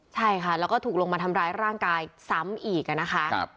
ใช่ค่ะแล้วก็ถูกลงมาทำร้ายร่างกายซ้ำอีกนะคะ